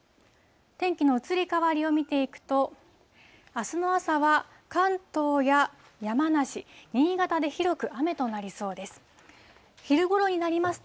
天気の移り変わりを見ていくと、あすの朝は関東や山梨、新潟で広く雨となりそうです。